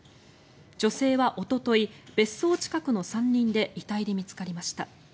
女性はおととい別荘近くの山林で遺体で見つかりました。